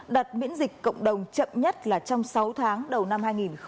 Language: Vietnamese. đặt miễn dịch cộng đồng chậm nhất là trong sáu tháng đầu năm hai nghìn hai mươi